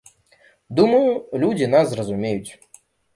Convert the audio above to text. Думаю, людзі нас зразумеюць.